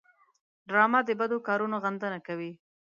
ډرامه د بدو کارونو غندنه کوي